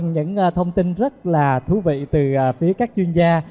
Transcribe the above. những thông tin rất là thú vị từ phía các chuyên gia